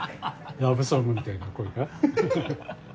ラブソングみたいな恋か？